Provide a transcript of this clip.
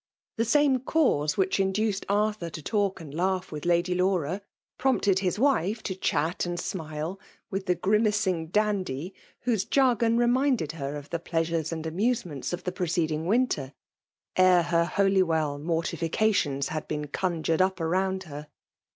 The same cause wUdk is diiced Arthur to talk and laugh wit& Ladjr IjBura> prompted his wife tc^ chat ancl snfle with &ie grimacing dandy, whose jiffgon re* minded her of the pteasures aoid asrasemetr&i of the preceding winter, ere her Holywell mar" tificatiom had been conjured up aromid her.